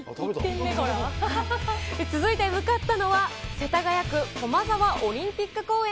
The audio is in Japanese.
続いて向かったのは、世田谷区駒沢オリンピック公園。